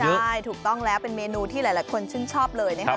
ใช่ถูกต้องแล้วเป็นเมนูที่หลายคนชื่นชอบเลยนะครับ